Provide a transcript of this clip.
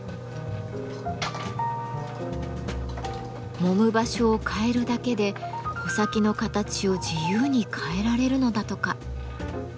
もむ場所を変えるだけで穂先の形を自由に変えられるのだとか。